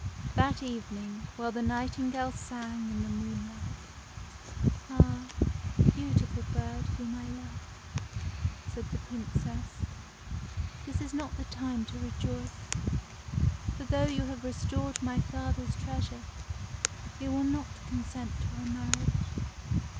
That evening, while the nightingale sang in the moon light,— " Ah ! beautiful bird, whom I love," said the Princess, " this is not the time to rejoice ; for, though you have restored my father's treasure, he will not consent to our marriage."